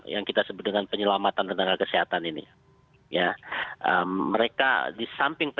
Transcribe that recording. satu efek delaman jiang